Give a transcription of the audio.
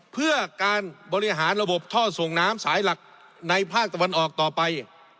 เพื่อการบริหารระบบท่อส่งน้ำสายหลักในภาคตะวันออกต่อไป